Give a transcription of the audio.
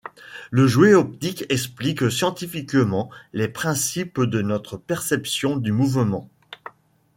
Le jouet optique explique scientifiquement les principes de notre perception du mouvement.